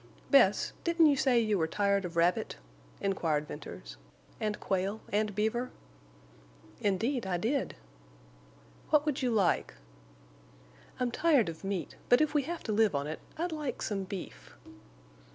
"Bess, didn't you say you were tired of rabbit?" inquired Venters. "And quail and beaver?" "Indeed I did." "What would you like?" "I'm tired of meat, but if we have to live on it I'd like some beef."